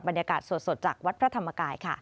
บรรยากาศสดจากวัดพระธรรมกายค่ะ